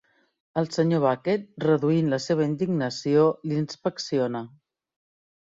El Sr. Bucket, reduint la seva indignació, l'inspecciona.